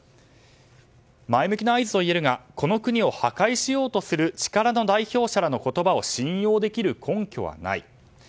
前向きな合図といえるがこの国を破壊しようとする力の代表者らの言葉を信用できる根拠はない。